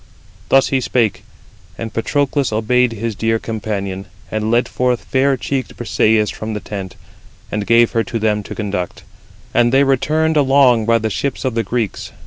Thus he spoke. And Patroclus obeyed his dear companion, and led forth fair cheeked Brisëis from the tent, and gave her to them to conduct; and they returned along by the ships of the Greeks.